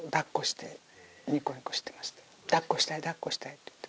「抱っこしたい抱っこしたい」って言って。